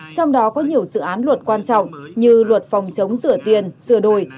trong đó có nhiều dự án luật quan trọng như luật phòng chống sửa tiền sửa đồi